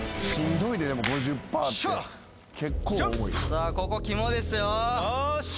さあここ肝ですよ。